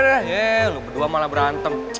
yeh lu berdua malah berantem